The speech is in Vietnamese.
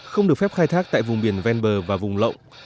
không được phép khai thác tại vùng biển ven bờ và vùng lộng